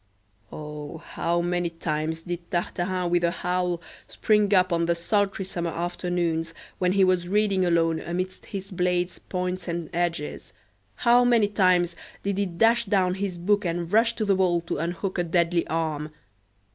Oh, how many times did Tartarin with a howl spring up on the sultry summer afternoons, when he was reading alone amidst his blades, points, and edges; how many times did he dash down his book and rush to the wall to unhook a deadly arm!